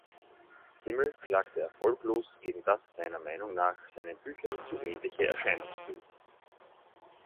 Simmel klagte erfolglos gegen das seiner Meinung nach seinen Büchern zu ähnliche Erscheinungsbild.